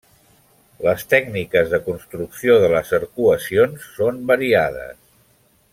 Les tècniques de construcció de les arcuacions són variades.